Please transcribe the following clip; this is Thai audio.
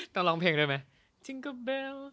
น่าลองเพลงด้วยไหม